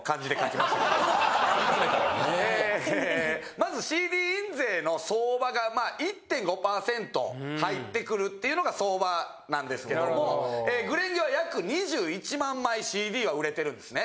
まずＣＤ印税の相場がまあ１．５％入ってくるっていうのが相場なんですけども『紅蓮華』は約２１万枚ＣＤは売れてるんですね。